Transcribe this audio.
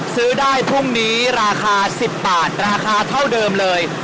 ซื้อได้พรุ่งนี้ราคา๑๐บาทราคาเท่าเดิมเลย